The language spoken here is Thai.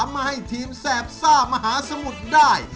มาให้ทีมแสบซ่ามหาสมุทรได้